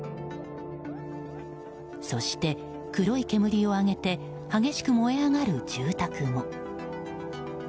そして、黒い煙を上げて激しく燃え上がる住宅も。